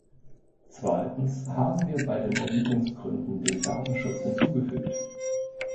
Zweitens haben wir bei den Erwägungsgründen den Datenschutz hinzugefügt.